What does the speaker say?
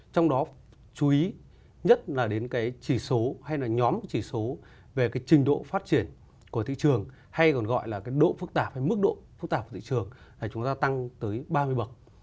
trong đó chú ý nhất là đến cái chỉ số hay là nhóm chỉ số về cái trình độ phát triển của thị trường hay còn gọi là cái độ phức tạp hay mức độ phức tạp của thị trường chúng ta tăng tới ba mươi bậc